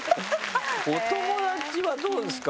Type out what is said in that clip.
お友達はどうですか？